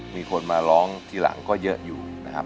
มีคนมาร้องทีหลังก็เยอะอยู่นะครับ